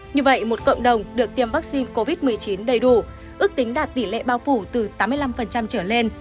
như vậy một cộng đồng được tiêm vaccine covid một mươi chín đầy đủ ước tính đạt tỷ lệ bao phủ từ tám mươi năm trở lên